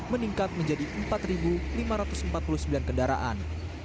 meningkat menjadi empat lima ratus empat puluh sembilan kendaraan